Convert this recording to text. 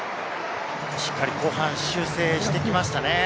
しっかり後半、修正してきましたね。